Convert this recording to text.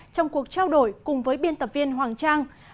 trong cuộc trao đổi cùng với biên tập viên hoàng trang